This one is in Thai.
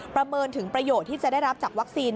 ประเมินถึงประโยชน์ที่จะได้รับจากวัคซีน